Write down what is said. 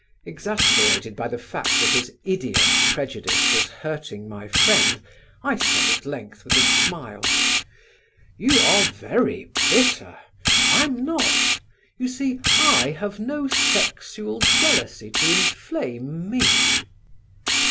Exasperated by the fact that his idiot prejudice was hurting my friend, I said at length with a smile: "You are very bitter: I'm not; you see, I have no sexual jealousy to inflame me."